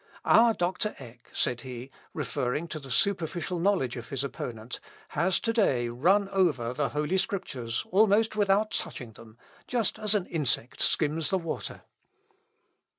"Our Doctor Eck," said he, referring to the superficial knowledge of his opponent, "has to day run over the Holy Scriptures almost without touching them, just as an insect skims the water."